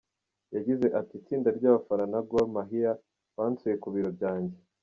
Yagize ati “Itsinda ry’abafana na Gor Mahia bansuye ku biro byanjye.